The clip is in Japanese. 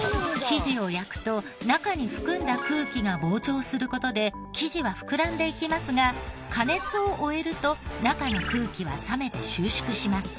生地を焼くと中に含んだ空気が膨張する事で生地は膨らんでいきますが加熱を終えると中の空気は冷めて収縮します。